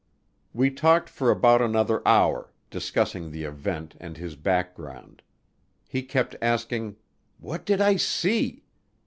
We talked for about another hour, discussing the event and his background. He kept asking, "What did I see?"